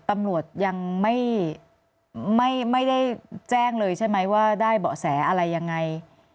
ตำรวจยังไม่ได้แจ้งเลยใช่ไหมว่าได้เบาะแสอะไรยังไง